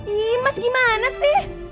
ih mas gimana sih